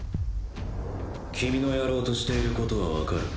君のやろうとしていることはわかる。